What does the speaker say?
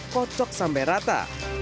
kocok sampai rata